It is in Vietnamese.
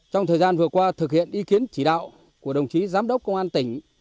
trong thời gian vừa qua thực hiện ý kiến chỉ đạo của đồng chí giám đốc công an tỉnh